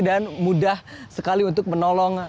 dan mudah sekali untuk menolong